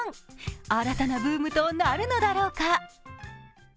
新たなブームとなるのだろうか。